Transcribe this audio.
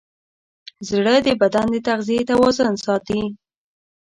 زړه د بدن د تغذیې توازن ساتي.